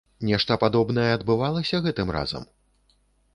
Нешта падобнае адбывалася гэтым разам?